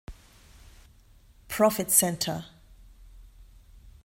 Profit Center